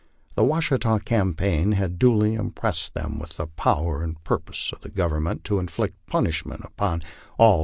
The Washita campaign had duly impressed them with the power and purpose of the Government to inflict punishment upon all LIFE ON THE PLAINS.